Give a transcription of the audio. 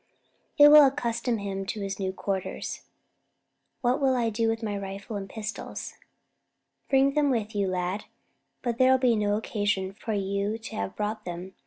It will accustom him to his new quarters. What shall I do with my rifle and pistols?" "Bring them with you, lad; but there was no occasion for you to have brought them.